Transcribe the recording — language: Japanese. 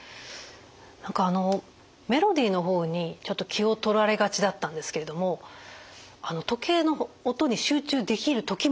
何かあのメロディーの方にちょっと気を取られがちだったんですけれども時計の音に集中できる時もありました。